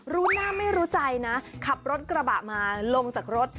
รู้หน้าไม่รู้ใจนะขับรถกระบะมาลงจากรถ